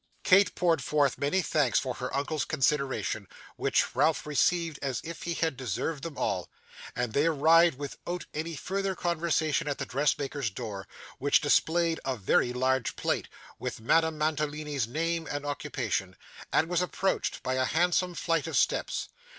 Kate poured forth many thanks for her uncle's consideration, which Ralph received as if he had deserved them all, and they arrived without any further conversation at the dressmaker's door, which displayed a very large plate, with Madame Mantalini's name and occupation, and was approached by a handsome flight of steps.